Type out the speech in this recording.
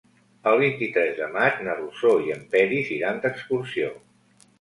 El vint-i-tres de maig na Rosó i en Peris iran d'excursió.